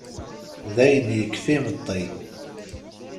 Dayen, yekfa imeṭṭi.